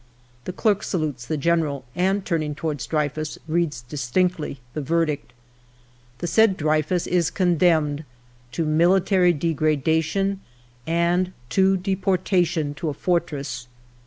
" The clerk salutes the General, and turning towards Dreyfus reads distinctly the verdict :' The said Dreyfus is condemned to military degradation and to deportation to a fortress.'